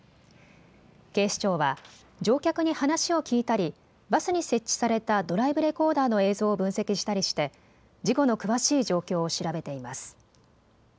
警視庁は乗客に話を聞いたりバスに設置されたドライブレコーダーの映像を分析したりして事故の詳しい状況を調べています。